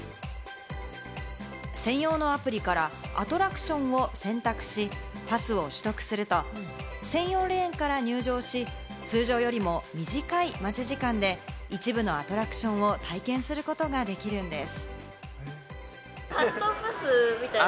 専用のアプリからアトラクションを選択し、パスを取得すると、専用レーンから入場し、通常よりも短い待ち時間で一部のアトラクションを体験することができるんです。